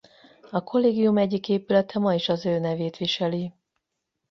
A kollégium egyik épülete ma is az ő nevét viseli.